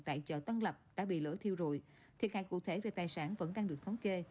tại chợ tân lập đã bị lỡ thiêu rụi thiệt hại cụ thể về tài sản vẫn đang được thống kê